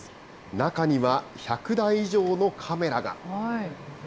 中には１００台以上のカメラが。